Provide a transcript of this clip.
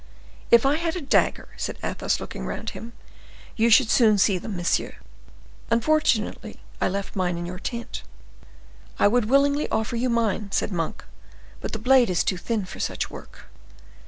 "If I had a dagger," said Athos, looking round him, "you should soon see them, monsieur. Unfortunately, I left mine in your tent." "I would willingly offer you mine," said Monk, "but the blade is too thin for such work."